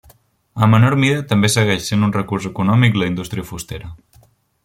En menor mida també segueix sent un recurs econòmic la indústria fustera.